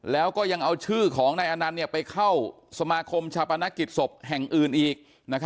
แล้วก็ยังเอาชื่อของนายอนันต์ไปเข้าสมาคมชาปนกิจศพแห่งอื่นอีก